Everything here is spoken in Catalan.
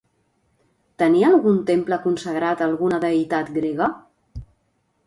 Tenia algun temple consagrat a alguna deïtat grega?